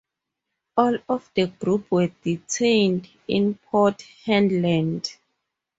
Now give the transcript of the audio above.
All of the group were detained in Port Hedland.